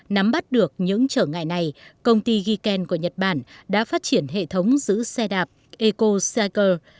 nắm bắt được những trở ngại này công ty giken của nhật bản đã phát triển hệ thống giữ xe đạp ecocycle